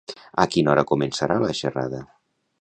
A quina hora començarà la xerrada?